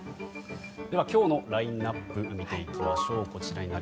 今日のラインアップを見ていきましょう。